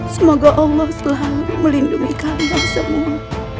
semoga allah selalu melindungi kalian semua